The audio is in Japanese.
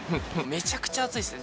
めちゃくちゃ暑いっすね。